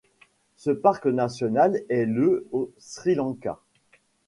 Ce parc national est le au Sri Lanka.